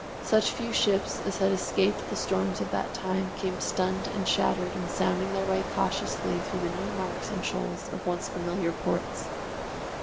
Such few ships as had escaped the storms of that time came stunned and shattered and sounding their way cautiously through the new marks and shoals of once familiar ports.